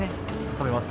食べます？